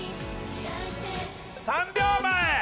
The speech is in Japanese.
３秒前！